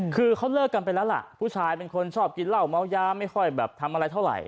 คือเขาเลิกกันไปแล้วล่ะผู้ชายเป็นคนชอบกินเหล้าเมายาไม่ค่อยแบบทำอะไรเท่าไหร่